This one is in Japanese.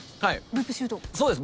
そうです。